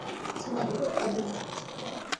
სანაპიროს სტაბილიზაცია